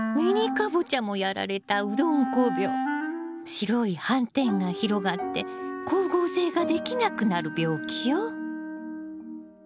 白い斑点が広がって光合成ができなくなる病気よ。